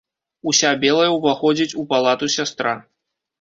Уся белая ўваходзіць у палату сястра.